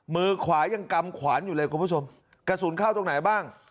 มือขวายังกำขวานอยู่เลยคุณผู้ชมกระสุนเข้าตรงไหนบ้าง